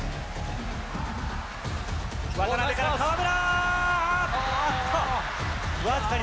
渡邊から河村！